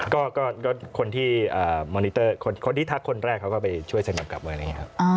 ก็คนที่มอนิเตอร์คนที่ทักคนแรกเขาก็ไปช่วยเสนอกลับไว้